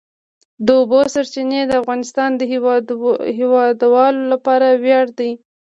د اوبو سرچینې د افغانستان د هیوادوالو لپاره ویاړ دی.